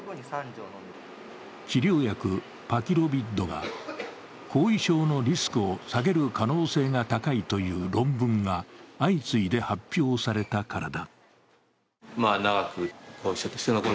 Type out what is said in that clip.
治療薬パキロビッドが後遺症のリスクを下げる可能性が高いという論文が相次いで発表されたからだ。